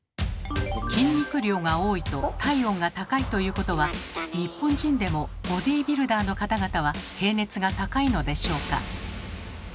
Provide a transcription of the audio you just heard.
筋肉量が多いと体温が高いということは日本人でもボディービルダーの方々は平熱が高いのでしょうか？